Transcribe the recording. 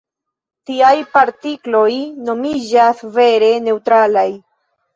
Tiaj partikloj nomiĝas "vere neŭtralaj".